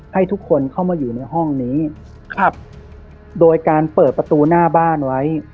ให้ทุกคนเข้ามาอยู่ในห้องนี้ครับโดยการเปิดประตูหน้าบ้านไว้